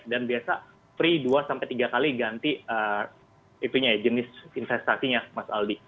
dan biasa free dua tiga kali ganti jenis investasinya mas aldi